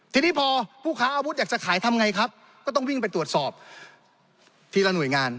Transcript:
ทีนี้พอผู้ค้าอาวุธอยากจะขายทำไงครับก็ต้องวิ่งไปตรวจสอบทีละหน่วยงาน